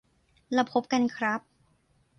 แล้วพบกันครับ